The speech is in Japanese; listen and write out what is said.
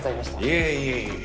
いえいえいえ。